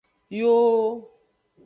Yooo.